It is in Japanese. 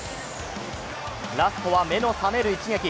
ラストは目の覚める一撃。